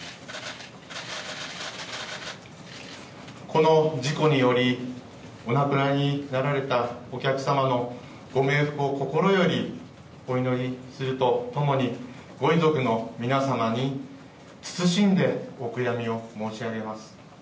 この事故により、お亡くなりになられたお客様のご冥福を心よりお祈りするとともに、ご遺族の皆様に、謹んでお悔やみを申し上げます。